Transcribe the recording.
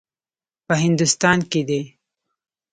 په هندوستان کې دی.